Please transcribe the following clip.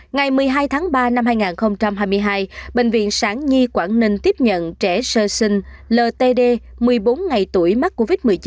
ngày một mươi hai tháng ba năm hai nghìn hai mươi hai bệnh viện sản nhi quảng ninh tiếp nhận trẻ sơ sinh ltd một mươi bốn ngày tuổi mắc covid một mươi chín